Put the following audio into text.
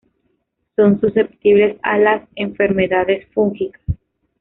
Son susceptibles a las enfermedades fúngicas.